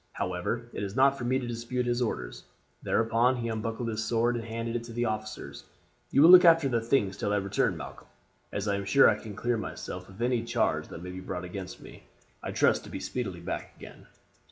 However, it is not for me to dispute his orders;' thereupon he unbuckled his sword and handed it to the officers. 'You will look after the things till I return, Malcolm. As I am sure I can clear myself of any charge that may be brought against me, I trust to be speedily back again.